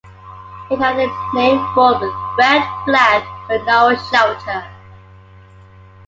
It had a nameboard with red flag, but no shelter.